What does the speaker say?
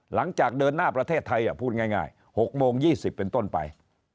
หลังจากเดินหน้าประเทศไทยพูดง่าย๖โมง๒๐เป็นต้นไป